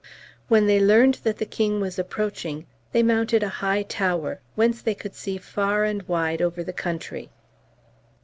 When they learned that the king was approaching they mounted a high tower, whence they could see far and wide over the country.